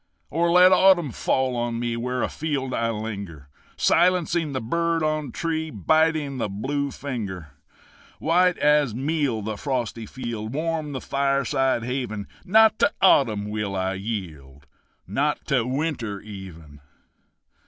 Or let autumn fall on me Where afield I linger, Silencing the bird on tree, Biting the blue finger. White as meal the frosty field Warm the fireside haven Not to autumn will I yield, Not to winter even!